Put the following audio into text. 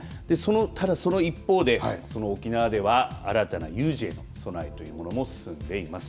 ただその一方で沖縄では新たな有事への備えというのも進んでいます。